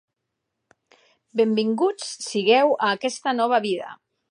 Benvinguts sigueu a aquesta nova vida!